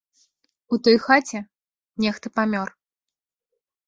У той хаце нехта памёр.